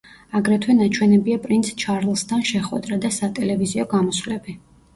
აგრეთვე ნაჩვენებია პრინც ჩარლზთან შეხვედრა და სატელევიზიო გამოსვლები.